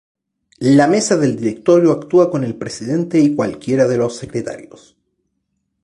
La Mesa del Directorio actúa con el presidente y cualquiera de los secretarios.